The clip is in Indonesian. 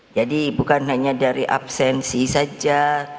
jadi bukan hanya dari absensi saja